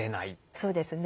そうですね。